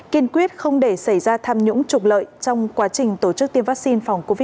kiên quyết không để xảy ra tham nhũng trục lợi trong quá trình tổ chức tiêm vaccine phòng covid một mươi chín